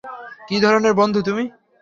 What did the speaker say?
কি ধরনের বন্ধু তুমি?